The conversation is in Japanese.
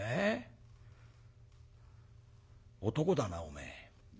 男だなおめえ。